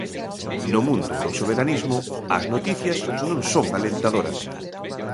No mundo do soberanismo, as noticias non son alentadoras.